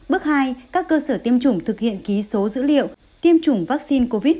bước hai các cơ sở tiêm chủng thực hiện ký số dữ liệu tiêm chủng vaccine covid một mươi chín